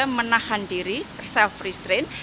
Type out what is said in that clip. juga menahan diri self restraint